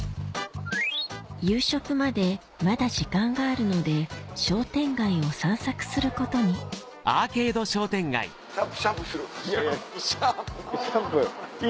夕食までまだ時間があるので商店街を散策することにシャンプー？